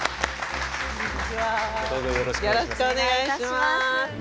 よろしくお願いします。